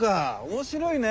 面白いね。